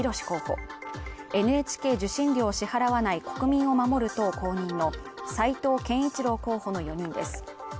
候補ＮＨＫ受信料を支払わない国民を守る党公認の齊藤健一郎候補の４人です